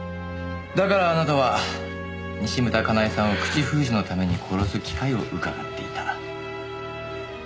だからあなたは西牟田叶絵さんを口封じのために殺す機会を窺っていた。